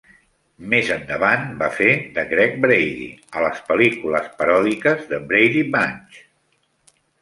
Més endavant va fer de Greg Brady a les pel·lícules paròdiques de Brady Bunch.